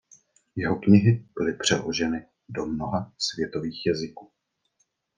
Jeho knihy byly přeloženy do mnoha světových jazyků.